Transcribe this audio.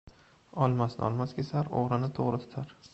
• Olmosni olmos kesar, o‘g‘rini o‘g‘ri tutar.